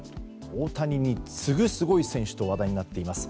大谷に次ぐすごい選手と話題になっています。